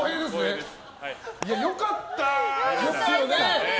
いや、良かったですよね。